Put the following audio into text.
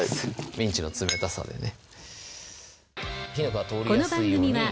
ミンチの冷たさでね